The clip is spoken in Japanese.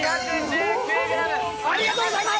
ありがとうございます。